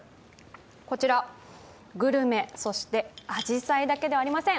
こちら、グルメ、そしてあじさいだけではありません。